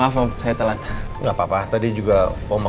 apa triana setel rainy kalau terlalu banyak